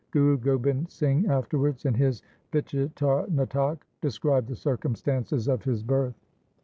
Guru Gobind Singh afterwards, in his Vichitar Natak, described the circumstances of his birth.